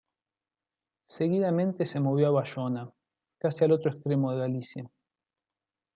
Seguidamente se movió a Bayona, casi al otro extremo de Galicia.